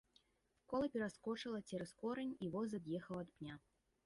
Кола пераскочыла цераз корань, і воз ад'ехаў ад пня.